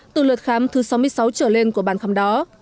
từ lượt khám thứ sáu mươi sáu trở lên của bàn khám đó